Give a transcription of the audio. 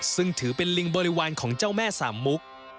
ซึ่งถือเป็นลิงบริวารของเจ้าแม่สามมุก